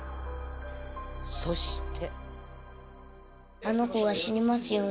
そして。